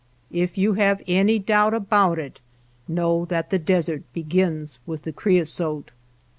, If you have any doubt about it, know / that the desert begins with the creosote.